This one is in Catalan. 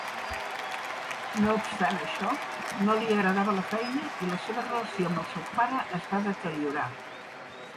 No obstant això, no li agradava la feina i la seva relació amb el seu pare es va deteriorar.